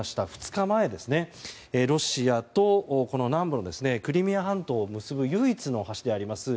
２日前、ロシアと南部のクリミア半島を結ぶ唯一の橋であります